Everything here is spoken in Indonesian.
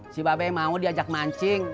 si babe mau diajak mancing